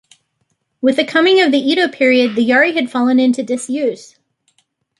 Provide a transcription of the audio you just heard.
With the coming of the Edo period the yari had fallen into disuse.